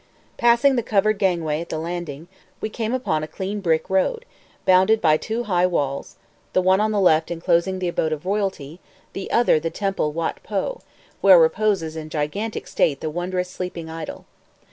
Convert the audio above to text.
Passing the covered gangway at the landing, we came upon a clean brick road, bounded by two high walls, the one on the left enclosing the abode of royalty, the other the temple Watt Poh, where reposes in gigantic state the wondrous Sleeping Idol.